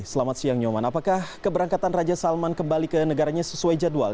selamat siang nyoman apakah keberangkatan raja salman kembali ke negaranya sesuai jadwal